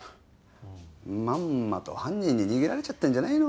まんまと犯人に逃げられちゃったんじゃないの？